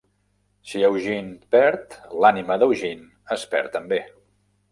Si Eugene perd, l'ànima d'Eugene es perd també.